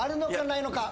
ないのか？